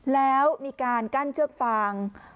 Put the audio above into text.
แล้วมีการกั้นเชือกฟาง